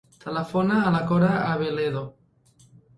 Telefona a la Cora Abeledo.